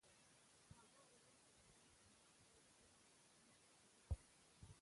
هغه اووه سمستره چې ما په څومره زحمت خلاص کړل.